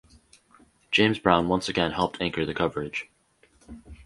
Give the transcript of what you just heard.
James Brown once again helped anchor the coverage.